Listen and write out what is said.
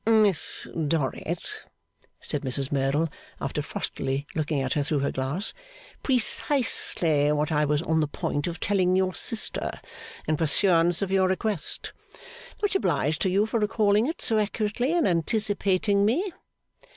'Miss Dorrit,' said Mrs Merdle, after frostily looking at her through her glass, 'precisely what I was on the point of telling your sister, in pursuance of your request. Much obliged to you for recalling it so accurately and anticipating me.